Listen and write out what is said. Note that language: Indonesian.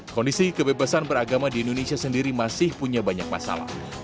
kondisi kebebasan beragama di indonesia sendiri masih punya banyak masalah